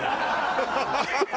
ハハハハ！